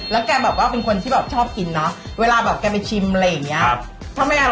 แล้วเนี่ยทำนี้ยังไง